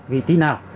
vì trí nào